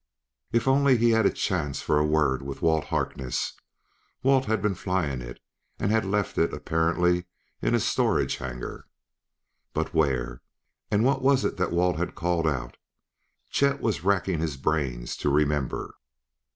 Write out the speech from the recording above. If only he had had a chance for a word with Walt Harkness: Walt had been flying it; he had left it apparently in a storage hangar. But where? And what was it that Walt had called out? Chet was racking his brains to remember.